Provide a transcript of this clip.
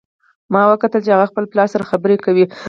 ما وکتل چې هغه خپل پلار سره خبرې کوي